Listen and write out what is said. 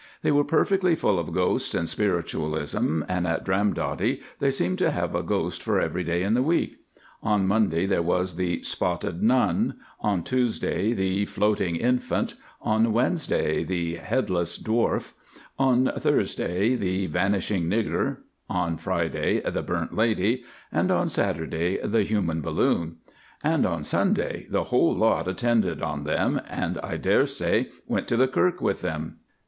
They were perfectly full of ghosts and spiritualism, and at Dramdotty they seemed to have a ghost for every day in the week. On Monday there was the "Spotted Nun," on Tuesday the "Floating Infant," on Wednesday the "Headless Dwarf," on Thursday the "Vanishing Nigger," on Friday the "Burnt Lady," and on Saturday the "Human Balloon," and on Sunday the whole lot attended on them, and, I daresay, went to the kirk with them.